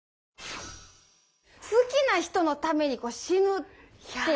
好きな人のために死ぬってね